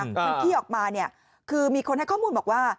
ที่ออกมาเนี่ยคือมีคนให้ข้อมูลบอกว่า